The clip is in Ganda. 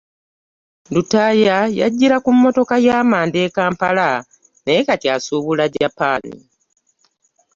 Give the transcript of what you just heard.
Lutaaya yajjira ku mmotoka ya manda e Kampala naye kati asuubula Japan.